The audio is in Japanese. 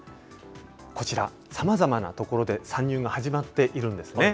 こちら、さまざまなところで、参入が始まっているんですね。